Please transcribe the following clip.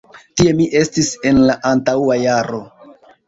Tie mi estis en la antaŭa jaro.